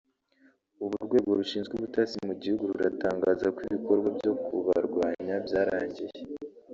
ubu urwego rushinzwe ubutasi mu gihugu ruratangaza ko ibikorwa byo kubarwanya byarangiye